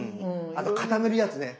あと固めるやつね。